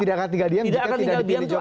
tidak akan tiga diam jika tidak dipilih jokowi